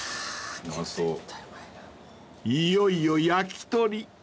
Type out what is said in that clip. ［いよいよ焼き鳥］